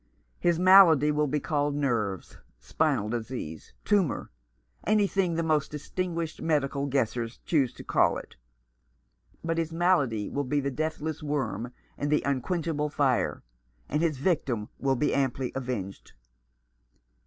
His malady will be called nerves, spinal disease, tumour — anything the most distinguished medical guessers choose to call it. But his malady will be the deathless worm and the unquenchable fire ; and his victim will be amply avenged."